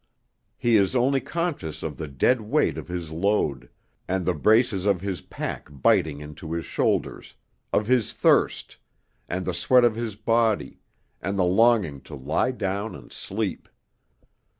He is only conscious of the dead weight of his load, and the braces of his pack biting into his shoulders, of his thirst, and the sweat of his body, and the longing to lie down and sleep.